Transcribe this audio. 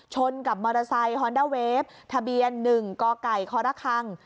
ชนกับมอเตอร์ไซค์ฮอนด้าเวฟทะเบียน๑กไก่คระคัง